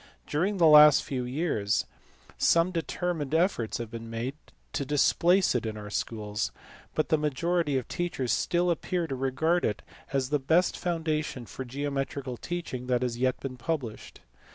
During the last few years some determined efforts have been made to displace it in our schools, but the majority of teachers still appear to regard it as the best foundation for geometrical teaching that has been yet pub lished.